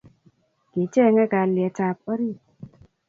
Kicheng'e kalyet ab orit